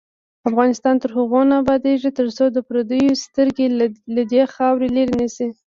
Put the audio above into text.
افغانستان تر هغو نه ابادیږي، ترڅو د پردیو سترګې له دې خاورې لرې نشي.